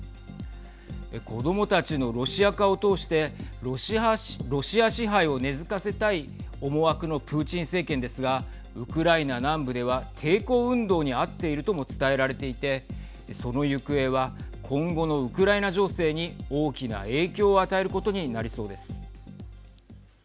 子どもたちのロシア化を通してロシア支配を根づかせたい思惑のプーチン政権ですがウクライナ南部では抵抗運動にあっているとも伝えられていてその行方は今後のウクライナ情勢に大きな影響を与えることになりそうです。